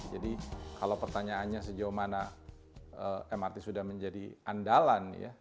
jadi kalau pertanyaannya sejauh mana mrt sudah menjadi andalan